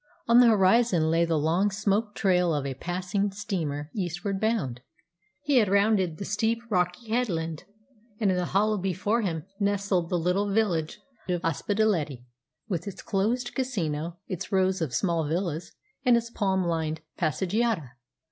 On the horizon lay the long smoke trail of a passing steamer eastward bound. He had rounded the steep, rocky headland, and in the hollow before him nestled the little village of Ospedaletti, with its closed casino, its rows of small villas, and its palm lined passeggiata.